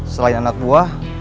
selain anak buah